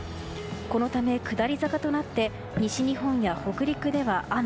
このため、下り坂となって西日本や北陸では雨。